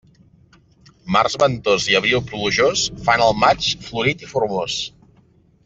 Març ventós i abril plujós fan el maig florit i formós.